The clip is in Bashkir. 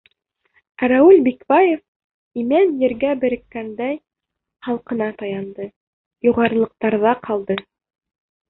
Ә Рауил Бикбаев, имән ергә береккәндәй, халҡына таянды — юғарылыҡтарҙа ҡалды.